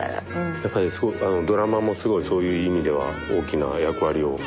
やっぱりドラマもすごいそういう意味では大きな役割を。